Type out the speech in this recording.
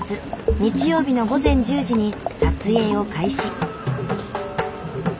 日曜日の午前１０時に撮影を開始。